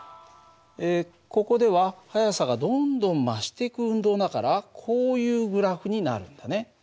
ここでは速さがどんどん増していく運動だからこういうグラフになるんだね。